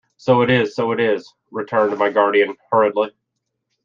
"So it is, so it is," returned my guardian hurriedly.